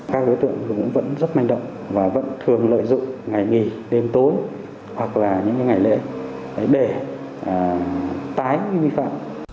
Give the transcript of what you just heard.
các đối tượng cũng vẫn rất manh động và vẫn thường lợi dụng ngày nghỉ đêm tối hoặc là những ngày lễ để tái vi phạm